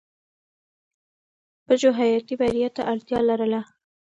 پژو حیاتي بریا ته اړتیا لرله.